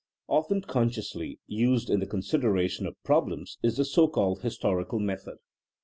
Often consciously used in the consideration of problems is the so called historical method.